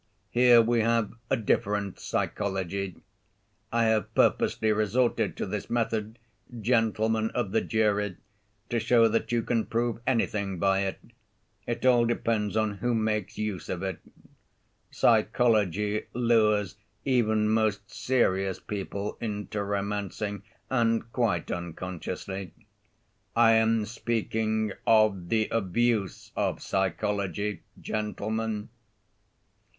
Here we have a different psychology. I have purposely resorted to this method, gentlemen of the jury, to show that you can prove anything by it. It all depends on who makes use of it. Psychology lures even most serious people into romancing, and quite unconsciously. I am speaking of the abuse of psychology, gentlemen."